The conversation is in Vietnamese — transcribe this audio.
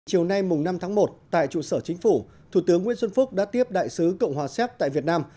chiều nay năm tháng một tại trụ sở chính phủ thủ tướng nguyễn xuân phúc đã tiếp đại sứ cộng hòa séc tại việt nam